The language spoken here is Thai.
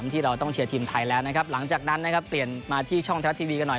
ที่เราต้องเชียร์ทีมไทยแล้วหลังจากนั้นเปลี่ยนมาที่ช่องทหารทีวีก็หน่อย